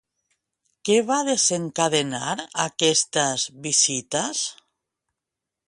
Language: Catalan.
Què va desencadenar aquestes visites?